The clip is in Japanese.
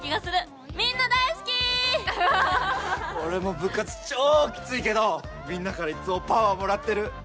俺も部活超キツいけどみんなからいつもパワーもらってる。